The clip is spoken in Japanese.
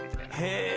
へえ！